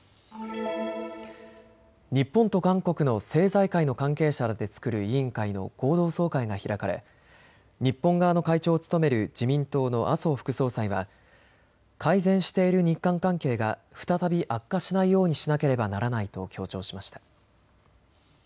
日本と韓国の政財界の関係者らで作る委員会の合同総会が開かれ日本側の会長を務める自民党の麻生副総裁は改善している日韓関係が再び悪化しないようにしなければならないと強調しました。